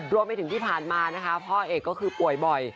รวมไปถึงที่ผ่านมานะคะพ่อเอกก็คือป่วยบ่อย